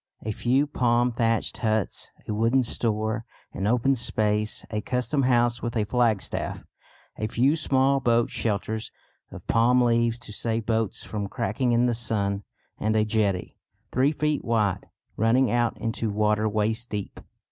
A few palm thatched huts, a wooden store, an open space, a custom house with a flagstaff, a few small boat shelters of palm leaves to save boats from cracking in the sun, and a jetty, three feet wide, running out into water waist deep.